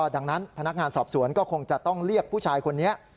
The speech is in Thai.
ดังนั้นพนักงานสอบสวนก็คงจะต้องเรียกผู้ชายคนนี้